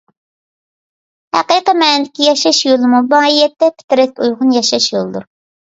ھەقىقىي مەنىدىكى ياشاش يولىمۇ ماھىيەتتە پىترەتكە ئۇيغۇن ياشاش يولىدۇر.